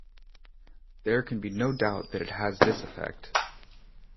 There can be no doubt that it has this effect.